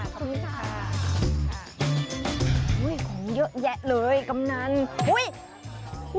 ได้มั้ยคะ